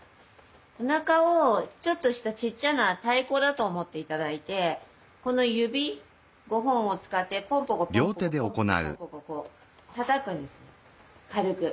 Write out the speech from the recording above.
お腹をちょっとしたちっちゃな太鼓だと思って頂いてこの指５本を使ってポンポコポンポコポンポコポンポコたたくんです軽く。